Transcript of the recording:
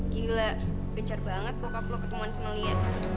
gila gejar banget bokap lo ketemuan sama lia